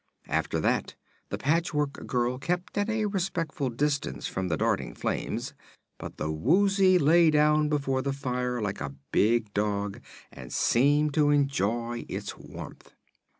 After that the Patchwork Girl kept at a respectful distance from the darting flames, but the Woozy lay down before the fire like a big dog and seemed to enjoy its warmth.